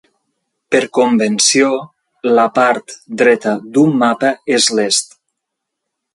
Per convenció, la part dreta d'un mapa és l'est.